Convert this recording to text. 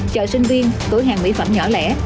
chợ sinh viên tối hàng mỹ phẩm nhỏ lẻ